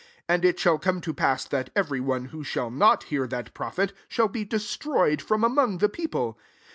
23 And it shall come to pass that every one who shall not hear that prophet, shall be destroyed from ^'fiiong the people.'